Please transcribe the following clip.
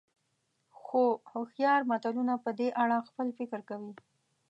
خو هوښیار ملتونه په دې اړه خپل فکر کوي.